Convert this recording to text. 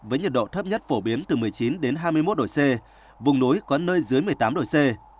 với nhiệt độ thấp nhất phổ biến từ một mươi chín hai mươi một độ c vùng núi có nơi dưới một mươi tám độ c